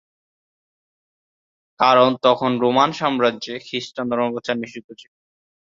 কারণ তখন রোমান সাম্রাজ্যে খৃষ্টান ধর্ম প্রচার নিষিদ্ধ ছিল।